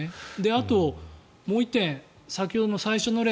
あと、もう１点先ほどの最初の例